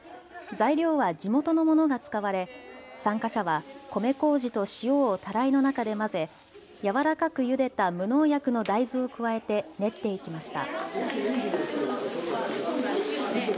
材料は地元のものが使われ、参加者は米こうじと塩をたらいの中で混ぜ、柔らかくゆでた無農薬の大豆を加えて練っていきました。